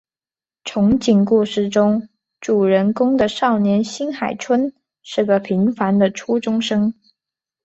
憧憬故事中主人公的少年新海春是个平凡的初中生。